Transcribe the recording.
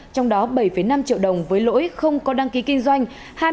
trong đó bảy năm triệu đồng với lỗi không có đăng ký kinh doanh